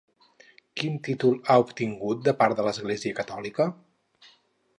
Quin títol ha obtingut de part de l'Església catòlica?